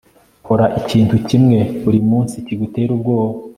kora ikintu kimwe buri munsi kigutera ubwoba